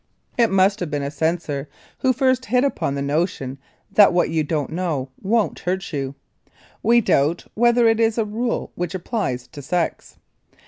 It must have been a censor who first hit upon the notion that what you don't know won't hurt you. We doubt whether it is a rule which applies to sex.